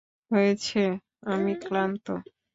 হয়েছে, আমি ক্লান্ত।